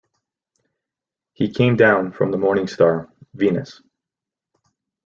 He came down from the Morning Star, Venus.